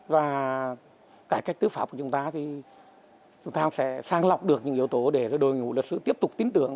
và cải cách tư pháp của chúng ta thì chúng ta sẽ sang lọc được những yếu tố để đội ngũ luật sư tiếp tục tin tưởng